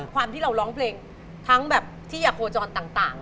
ความที่เราร้องเพลงทั้งที่ควรอยากโฆษณ์ต่าง